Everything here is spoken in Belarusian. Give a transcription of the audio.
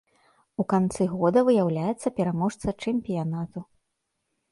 У канцы года выяўляецца пераможца чэмпіянату.